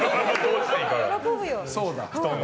喜ぶよ。